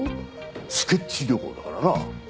スケッチ旅行だからな。